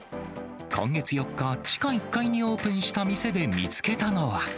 今月４日、地下１階にオープンした店で見つけたのは。